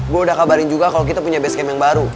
gue udah kabarin juga kalau kita punya base camp yang baru